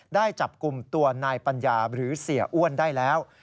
ได้จับกลุ่มตัวนายปัญญาหรือเสียอ้วนได้แล้ว